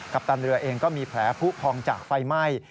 ปตันเรือเองก็มีแผลผู้พองจากไฟไหม้